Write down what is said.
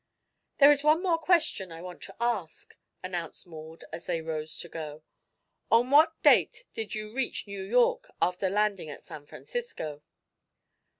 "There is one more question I want to ask," announced Maud as they rose to go. "On what date did you reach New York, after landing at San Francisco?"